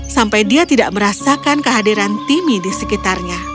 sampai dia tidak merasakan kehadiran timmy di sekitarnya